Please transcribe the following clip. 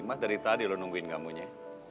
mas dari tadi lo nungguin kamu ya